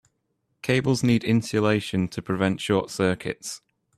Cables need insulation to prevent short circuits.